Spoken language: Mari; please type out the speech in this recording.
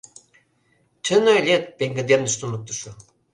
— Чын ойлет, — пеҥгыдемдыш туныктышо.